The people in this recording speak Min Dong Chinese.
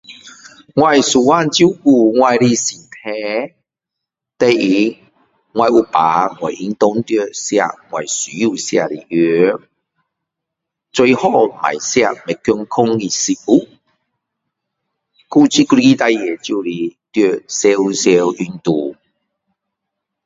我所望的照顾我的身体第一我有病我应该要吃我需要吃的药最好要吃最健康的食物还有一个事情就是要常常运动